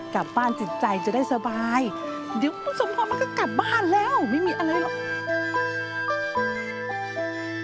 บ้านจิตใจจะได้สบายเดี๋ยวคุณสมพรมันก็กลับบ้านแล้วไม่มีอะไรหรอก